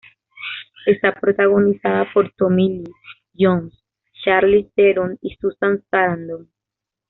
Está protagonizada por Tommy Lee Jones, Charlize Theron y Susan Sarandon.